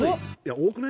多くない？